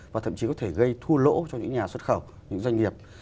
và thậm chí có thể gây thua lỗ cho những nhà xuất khẩu những doanh nghiệp